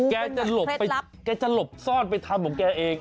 แกจะหลบซ่อนไปทำของแกเอง